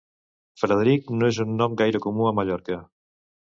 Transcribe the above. Frederic no és un nom gaire comú a Mallorca.